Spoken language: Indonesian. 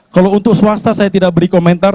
kalau untuk swasta saya tidak beri komentar